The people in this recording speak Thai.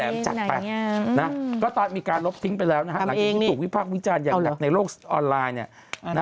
แล้วตอนนี้มีการลบทิ้งไปแล้วหลังจากนี้ถูกวิภาควิจารณ์อย่างดักในโลกออนไลน์